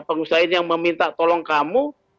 pengusaha ini yang meminta tolong kamu